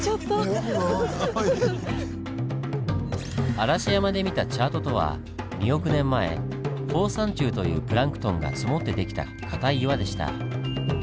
嵐山で見たチャートとは２億年前放散虫というプランクトンが積もって出来たかたい岩でした。